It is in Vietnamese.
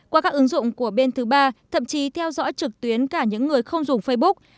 qua các ứng dụng của bên thứ ba thậm chí theo dõi trực tuyến cả những người không dùng facebook